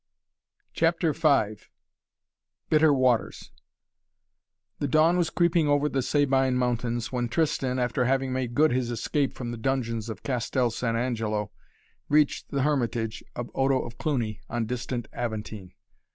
CHAPTER V BITTER WATERS The dawn was creeping over the Sabine mountains when Tristan, after having made good his escape from the dungeons of Castel San Angelo, reached the hermitage of Odo of Cluny on distant Aventine.